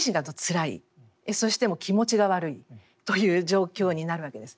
そして気持ちが悪いという状況になるわけです。